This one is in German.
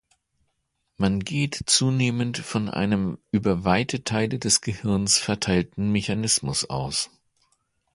Man geht zunehmend von einem über weite Teile des Gehirns verteilten Mechanismus aus.